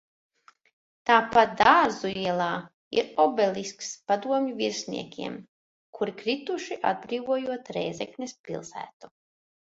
Tāpat Dārzu ielā ir obelisks padomju virsniekiem, kuri krituši atbrīvojot Rēzeknes pilsētu.